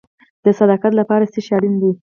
د صداقت لپاره څه شی اړین دی؟